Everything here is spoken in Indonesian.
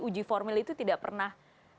uji formil itu tidak pernah